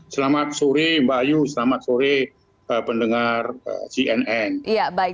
selamat sore mbak ayu selamat sore pendengar cnn